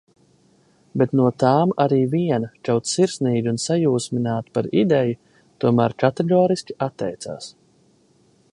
Bet no tām arī viena, kaut sirsnīgi un sajūsmināti par ideju, tomēr kategoriski atteicās.